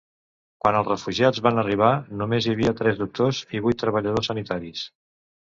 Quan els refugiats van arribar només hi havia tres doctors i vuit treballadors sanitaris.